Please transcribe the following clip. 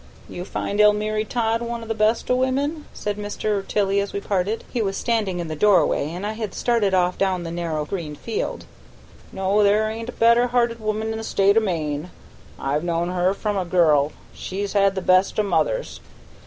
"You find Almiry Todd one o' the best o' women?" said Mr. Tilley as we parted. He was standing in the doorway and I had started off down the narrow green field. "No, there ain't a better hearted woman in the State o' Maine. I've known her from a girl. She's had the best o' mothers.